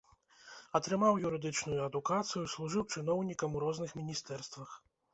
Атрымаў юрыдычную адукацыю, служыў чыноўнікам у розных міністэрствах.